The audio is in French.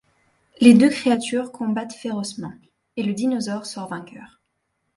Les deux créatures combattent férocement, et le dinosaure sort vainqueur.